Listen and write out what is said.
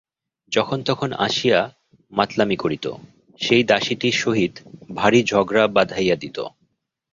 যখন তখন আসিয়া মাতলামি করিত, সেই দাসীটির সহিত ভারি ঝগড়া বাধাইয়া দিত।